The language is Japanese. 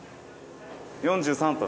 ４３分。